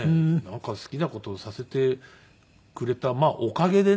好きな事をさせてくれたおかげでね